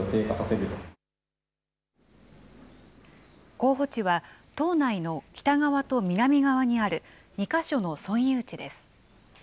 候補地は、島内の北側と南側にある２か所の村有地です。